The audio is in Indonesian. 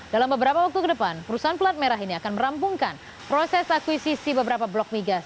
dalam beberapa waktu ke depan perusahaan pelat merah ini akan merampungkan proses akuisisi beberapa blok migas